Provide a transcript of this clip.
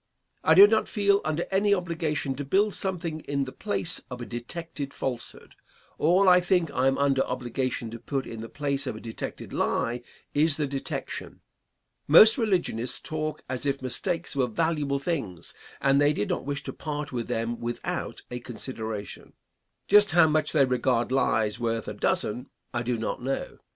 I do not feel under any obligation to build something in the place of a detected falsehood. All I think I am under obligation to put in the place of a detected lie is the detection. Most religionists talk as if mistakes were valuable things and they did not wish to part with them without a consideration. Just how much they regard lies worth a dozen I do not know.